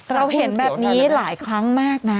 เราเห็นแบบนี้หลายครั้งมากนะ